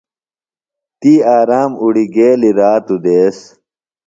تی آرام اُڑگیلیۡ رات دیس